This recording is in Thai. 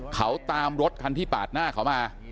เขาตามรถคันที่ปาดหน้าเขามา